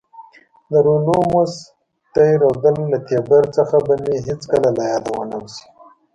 د رومولوس تی رودل له تیبر څخه به مې هیڅکله له یاده ونه وزي.